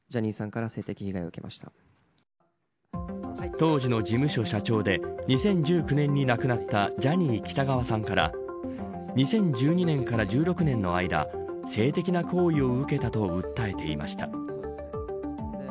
当時の事務所社長で２０１９年に亡くなったジャニー喜多川さんから２０１２年から１６年の間性的な行為を受けたと訴えていました。